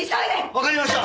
わかりました！